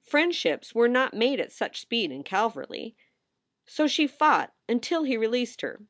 Friendships were not made at such speed in Calverly. So she fought until he released her.